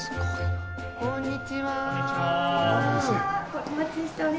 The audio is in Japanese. こんにちは。